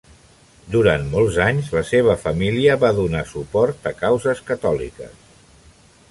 Durant molts anys la seva família va donar suport a causes catòliques.